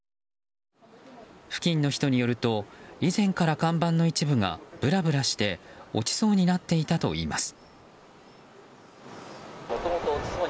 付近の人によると以前から看板の一部がぶらぶらして落ちそうになっていたといいます。